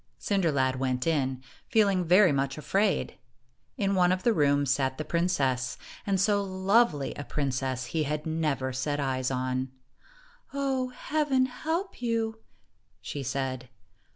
1 12 Cinder lad went in, feeling very much afraid. In one of the rooms sat the princess, and so lovely a princess he had never set eyes on. "Oh, Heaven help you!" she said.